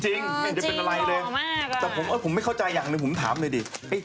ไม่เห็นจะเป็นอะไรเลยแต่ผมไม่เข้าใจอย่างหนึ่งผมถามเลยดิ